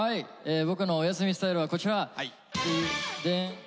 「ボクのおやすみスタイル」はこちら。